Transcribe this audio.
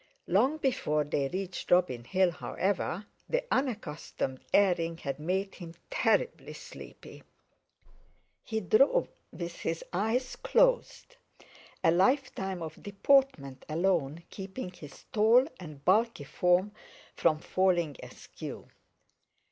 Long before they reached Robin Hill, however, the unaccustomed airing had made him terribly sleepy; he drove with his eyes closed, a life time of deportment alone keeping his tall and bulky form from falling askew.